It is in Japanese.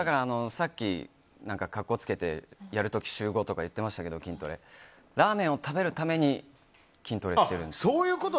さっき格好つけて、やる時週５とか言ってましたけどラーメンを食べるために筋トレをしてるんですよ。